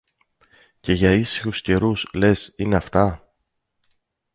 Και για ήσυχους καιρούς, λες, είναι αυτά;